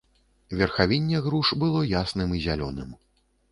Верхавінне груш было ясным і зялёным.